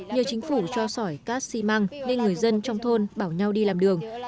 nhờ chính phủ cho sỏi cát xi măng nên người dân trong thôn bảo nhau đi làm đường